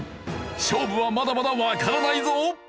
勝負はまだまだわからないぞ！